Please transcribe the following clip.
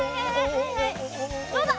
どうだ？